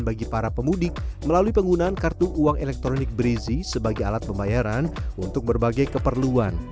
bagi para pemudik melalui penggunaan kartu uang elektronik brizi sebagai alat pembayaran untuk berbagai keperluan